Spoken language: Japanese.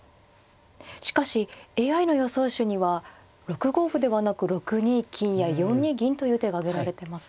しかしＡＩの予想手には６五歩ではなく６二金や４二銀という手が挙げられてます。